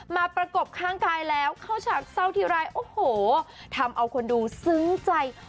ประกบข้างกายแล้วเข้าฉากเศร้าทีไรโอ้โหทำเอาคนดูซึ้งใจ